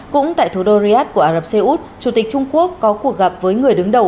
cũng tại thủ đô riyadh của ả rập xê út chủ tịch trung quốc có cuộc gặp với người đứng đầu